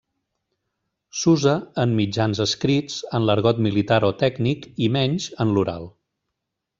S'usa en mitjans escrits, en l'argot militar o tècnic i menys en l'oral.